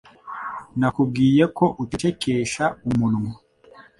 Nakubwiye ko ucecekesha umunwa.